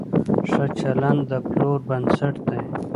ښه چلند د پلور بنسټ دی.